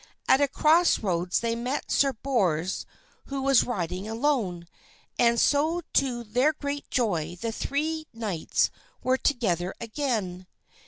At a crossroads they met Sir Bors who was riding alone, and so to their great joy the three knights were together again.